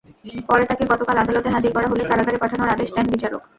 পরে তাঁকে গতকাল আদালতে হাজির করা হলে কারাগারে পাঠানোর আদেশ দেন বিচারক।